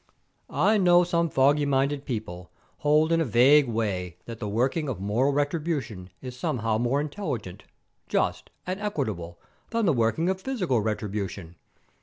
"I know some foggy minded people hold in a vague way that the working of moral retribution is somehow more intelligent, just, and equitable than the working of physical retribution.